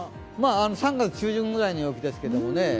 ３月中旬ぐらいの陽気ですけどね